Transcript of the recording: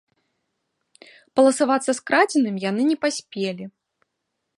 Паласавацца скрадзеным яны не паспелі.